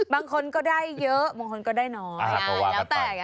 บางคนก็ได้เยอะบางคนก็ได้น้อย